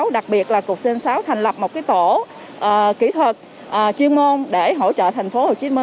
đặc biệt là cục cn sáu thành lập một tổ kỹ thuật chuyên môn để hỗ trợ tp hcm